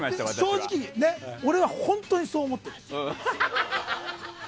正直、俺は本当にそう思ってる。